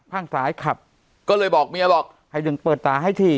ข้างซ้ายขับก็เลยบอกเมียบอกให้ดึงเปิดตาให้ถี่